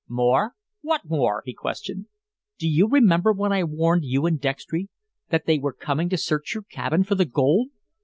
"More! What more?" he questioned. "Do you remember when I warned you and Dextry that they were coming to search your cabin for the gold?